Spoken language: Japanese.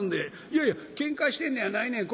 「いやいやけんかしてんのやないねん。